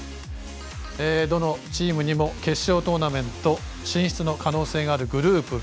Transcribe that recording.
どのチームにも決勝トーナメント進出の可能性があるグループＢ。